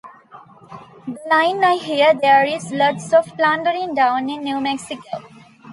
The line I hear there's lots of plunderin' down in New Mexico!